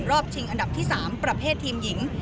ชิงอันดับที่๓ประเภททีมหญิง